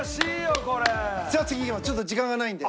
さあ次ちょっと時間がないんで。